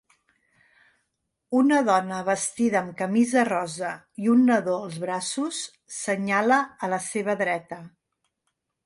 Una dona vestida amb camisa rosa i un nadó als braços senyala a la seva dreta